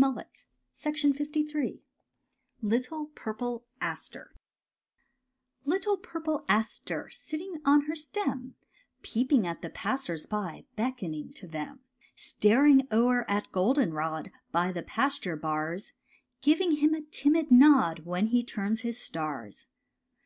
We bloomed for you,' said the aster" LITTLE PURPLE ASTER Little purple aster, sitting on her stem, Peeping at the passers by, beckoning to them, Staring o'er at goldenrod, by the pasture bars. Giving him a timid nod when he turns his stars.